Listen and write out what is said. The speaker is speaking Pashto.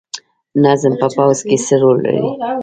نظم په پوځ کې څه رول لري؟